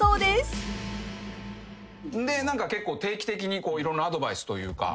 結構定期的にいろんなアドバイスというか。